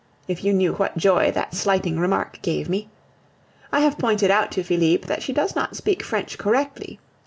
If you knew what joy that slighting remark gave me! I have pointed out to Felipe that she does not speak French correctly.